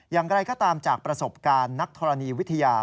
อย่างไรก็ตามจากประสบการณ์นักธรณีวิทยา